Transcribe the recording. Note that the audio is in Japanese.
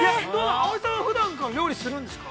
◆葵さんはふだんから、料理をはするんですか。